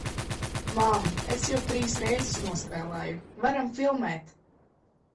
Mam, es jau trīs reizes nospēlēju, varam filmēt!...